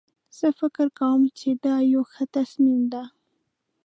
زه فکر کوم چې دا یو ښه تصمیم ده